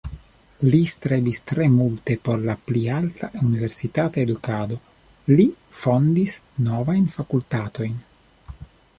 Li strebis tre multe por la pli alta universitata edukado, li fondis novajn fakultatojn.